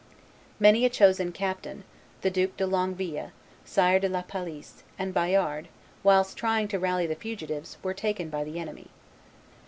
Many a chosen captain, the Duke de Longueville, Sire de la Palisse, and Bayard, whilst trying to rally the fugitives, were taken by the enemy.